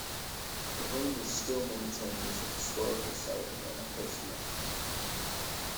The home is still maintained as a historical site in Anacostia.